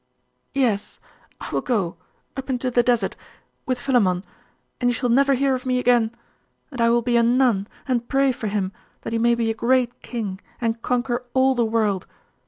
............... 'Yes I will go up into the desert with Philammon and you shall never hear of me again. And I will be a nun, and pray for him, that he may be a great king, and conquer all the world.